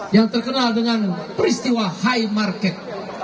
yang terkenal dengan peristiwa high market